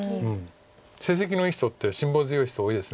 成績のいい人って辛抱強い人多いです。